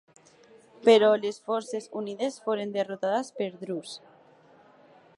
Però les forces unides foren derrotades per Drus.